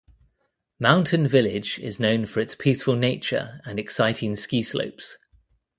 Mountain Village is known for its peaceful nature and exciting ski slopes.